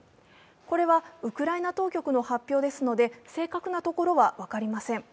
これはウクライナ当局の発表ですので、正確なところは分かりません。